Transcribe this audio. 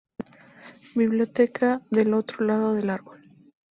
Biblioteca: Del otro lado del Árbol